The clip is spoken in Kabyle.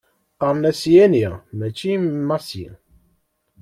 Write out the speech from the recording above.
Qqaren-as Yani macci Masi.